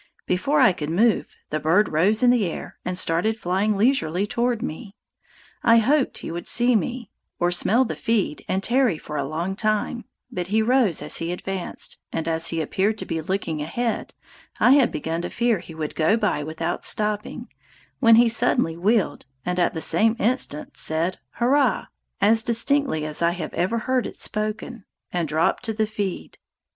Before I could move, the bird rose in the air and started flying leisurely toward me. I hoped he would see, or smell, the feed and tarry for a time; but he rose as he advanced, and as he appeared to be looking ahead, I had begun to fear he would go by without stopping, when he suddenly wheeled and at the same instant said "Hurrah," as distinctly as I have ever heard it spoken, and dropped to the feed.